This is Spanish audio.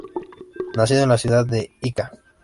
Nacido en la ciudad de Ica.